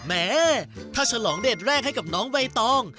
แม่ถ้าฉลองเดทแรกให้กับน้องใบตอง